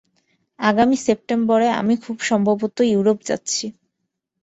আগামী সেপ্টেম্বরে আমি খুব সম্ভবত ইউরোপ যাচ্ছি।